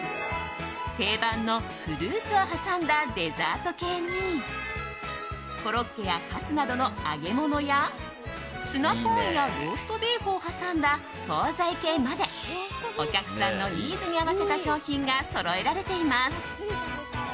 定番のフルーツを挟んだデザート系にコロッケやカツなどの揚げ物やツナコーンやローストビーフを挟んだ総菜系までお客さんのニーズに合わせた商品がそろえられています。